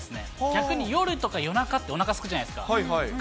逆に夜とか、夜中って、おなかすくじゃないですか。